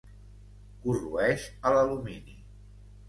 Corroeix a l’alumini.